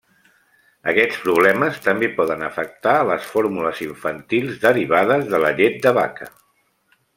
Aquests problemes també poden afectar les fórmules infantils derivades de la llet de vaca.